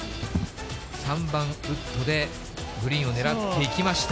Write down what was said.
３番ウッドでグリーンを狙っていきました。